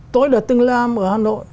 tôi đã từng làm ở hà nội